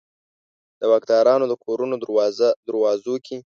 د واکدارانو د کورونو دروازو کې